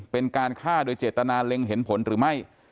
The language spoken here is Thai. เป็นการฆ่าโดยเจตนาเล็งเห็นผลหรือไม่